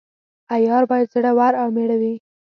عیار باید زړه ور او میړه وي.